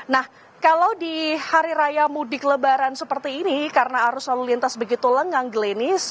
nah kalau di hari raya mudik lebaran seperti ini karena arus lalu lintas begitu lengang glenis